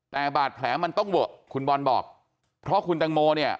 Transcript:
แต่บาดแผลมันต้องเวอะคุณบอลบอกเพราะคุณตังโมเนี่ย